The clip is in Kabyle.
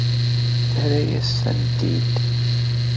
Terra-yas-tent-id.